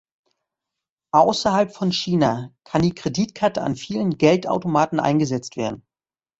Außerhalb von China kann die Kreditkarte an vielen Geldautomaten eingesetzt werden.